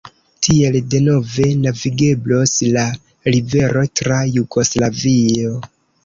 Tiel denove navigeblos la rivero tra Jugoslavio.